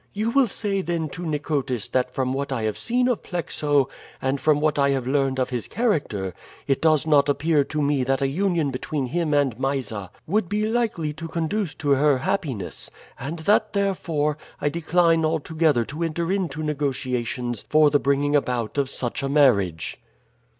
You will say, then, to Nicotis that from what I have seen of Plexo, and from what I have learned of his character, it does not appear to me that a union between him and Mysa would be likely to conduce to her happiness; and that, therefore, I decline altogether to enter into negotiations for the bringing about of such a marriage."